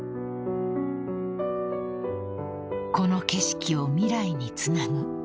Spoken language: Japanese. ［この景色を未来につなぐ］